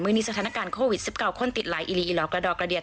เมื่อนี้สถานการณ์โควิด๑๙คนติดไหลอีรีอีหลอกระดอกระเดีย